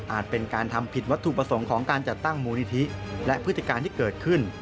เป็นการทำผิดวัตถุประสงค์ของการจัดตั้งมูลนิธิและพฤติการที่เกิดขึ้น